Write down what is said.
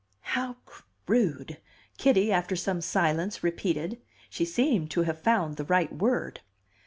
"How crude!" Kitty, after some silence, repeated. She seemed to have found the right word.